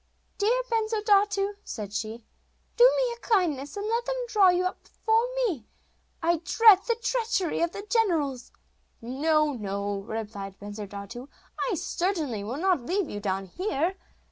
'Dear Bensurdatu,' said she, 'do me a kindness, and let them draw you up before me. I dread the treachery of the generals. 'No, no,' replied Bensurdatu, 'I certainly will not leave you down here.